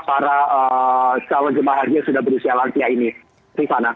sehingga para jemaah haji yang sudah berusia lansia ini